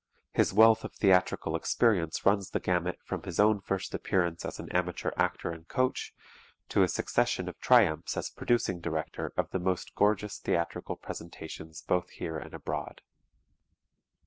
His wealth of theatrical experience runs the gamut from his own first appearance as an amateur actor and coach to a succession of triumphs as producing director of the most gorgeous theatrical presentations both here and abroad.